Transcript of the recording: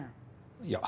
いや。